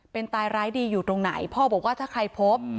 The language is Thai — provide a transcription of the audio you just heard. เป็นตายร้ายดีอยู่ตรงไหนพ่อบอกว่าถ้าใครพบ